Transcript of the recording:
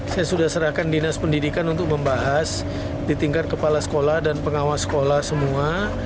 saya sudah serahkan dinas pendidikan untuk membahas di tingkat kepala sekolah dan pengawas sekolah semua